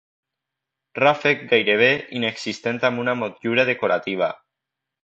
Ràfec gairebé inexistent amb una motllura decorativa.